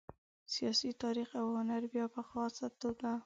ساینس، تاریخ او هنر بیا په خاصه توګه.